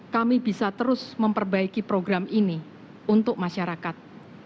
kami bisa terus memperbaiki program ini untuk masyarakat